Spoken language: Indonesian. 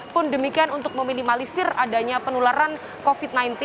pun demikian untuk meminimalisir adanya penularan covid sembilan belas